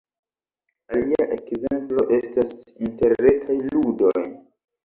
Alia ekzemplo estas interretaj ludoj.